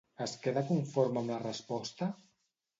Es queda conforme amb la resposta?